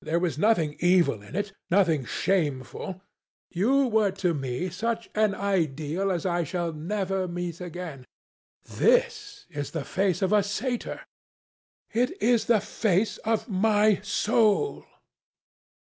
"There was nothing evil in it, nothing shameful. You were to me such an ideal as I shall never meet again. This is the face of a satyr." "It is the face of my soul."